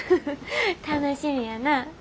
楽しみやなぁ。